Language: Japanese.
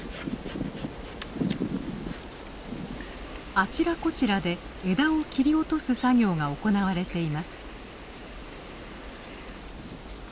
あちらこちらで枝を切り落とす作業が行われています。